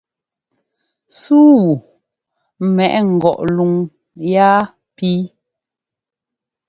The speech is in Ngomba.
Súu wu mɛʼ ngɔʼ luŋ yaa píi.